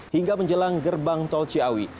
hingga menjelang gerbang tol ciawi